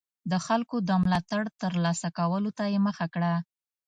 د خلکو د ملاتړ ترلاسه کولو ته یې مخه کړه.